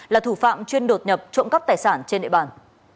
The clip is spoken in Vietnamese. là thủ phạm chuyên đột nhập trộm cắp tài sản trên địa bàn